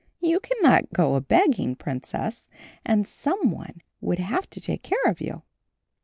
You cannot go a begging, princess, and some one would have to take care of you."